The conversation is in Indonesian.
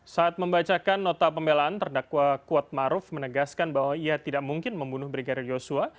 saat membacakan nota pembelaan terdakwa kuatmaruf menegaskan bahwa ia tidak mungkin membunuh brigadir yosua